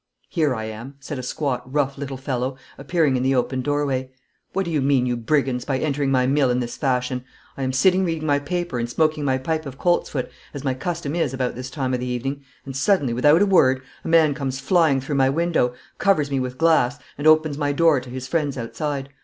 'Here I am,' said a squat, rough little fellow, appearing in the open doorway. 'What do you mean, you brigands, by entering my mill in this fashion? I am sitting reading my paper and smoking my pipe of coltsfoot, as my custom is about this time of the evening, and suddenly, without a word, a man comes flying through my window, covers me with glass, and opens my door to his friends outside.